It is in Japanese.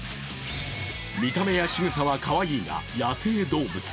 見た目やしぐさはかわいいが、野生動物。